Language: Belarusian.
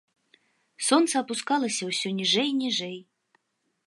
Сонца апускалася ўсё ніжэй і ніжэй.